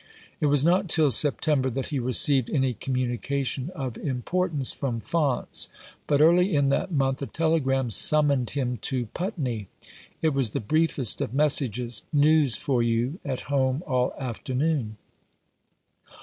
It was not till September that he received any 30/ Rough Justice. communication of importance from Faunce ; but early in that month a telegram summoned him to Putney. It was the briefest of messages :" News for you — at home all afternoon."